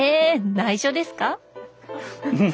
内緒ですか？